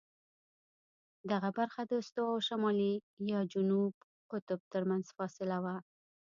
دغه برخه د استوا او شمالي یا جنوبي قطب ترمنځ فاصله وه.